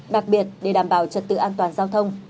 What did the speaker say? đặc biệt để đảm bảo trật tự an toàn giao thông